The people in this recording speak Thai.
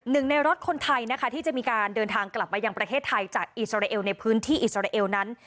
ในรถคนไทยนะคะที่จะมีการเดินทางกลับมายังประเทศไทยจากอิสราเอลในพื้นที่อิสราเอลนั้น